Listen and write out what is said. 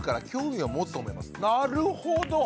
なるほど！